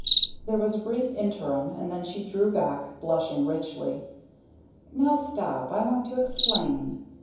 There was a brief interim and then she drew back, blushing richly. "Now stop I want to explain.